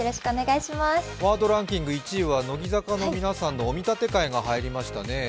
ワードランキング１位は乃木坂の皆さんの「お見立て会」が入りましたね。